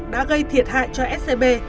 đã gây thiệt hại cho scb